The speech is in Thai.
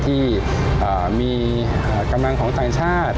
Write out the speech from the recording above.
ที่มีกำลังของต่างชาติ